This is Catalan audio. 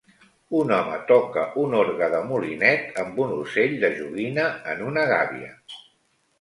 Un home toca un orgue de molinet amb un ocell de joguina en una gàbia.